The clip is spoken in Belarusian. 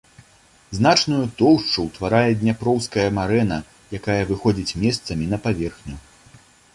Значную тоўшчу ўтварае дняпроўская марэна, якая выходзіць месцамі на паверхню.